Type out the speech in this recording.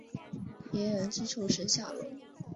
迷人之处是笑容。